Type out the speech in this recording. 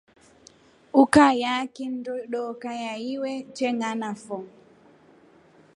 Ukayaa kindo doka ya iwe chenganafo.